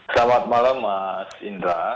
selamat malam mas indra